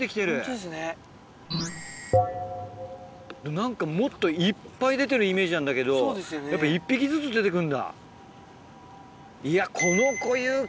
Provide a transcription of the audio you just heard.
何かもっといっぱい出てるイメージなんだけど１匹ずつ出て来るんだ。